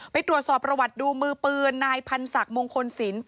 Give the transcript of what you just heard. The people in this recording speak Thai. ไปตรวจสอบประวัติดูมือปืนนายพันศักดิ์มงคลศิลป์